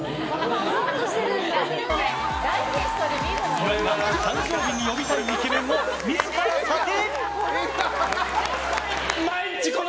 岩井が誕生日に呼びたいイケメンを自ら査定！